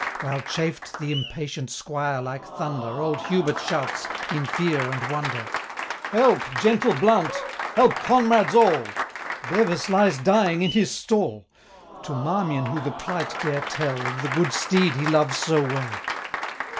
While chafed the impatient squire like thunder, Old Hubert shouts, in fear and wonder, 20 'Help, gentle Blount! help, comrades all! Bevis lies dying in his stall: To Marmion who the plight dare tell, Of the good steed he loves so well?'